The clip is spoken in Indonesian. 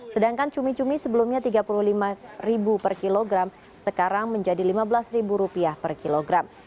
sedangkan cumi cumi sebelumnya rp tiga puluh lima per kilogram sekarang menjadi rp lima belas per kilogram